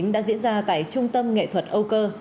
đã diễn ra tại trung tâm nghệ thuật âu cơ